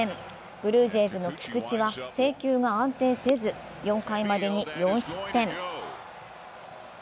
ブルージェイズの菊池は制球が安定せず、４回までに４失点。